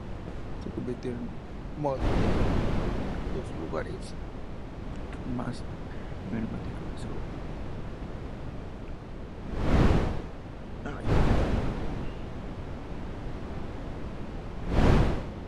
Se convirtió en un mod, dejándose ver por los lugares más emblemáticos de Soho.